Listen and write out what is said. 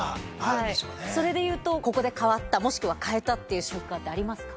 それでいうとここで変わったもしくは変えたっていう瞬間ってありますか？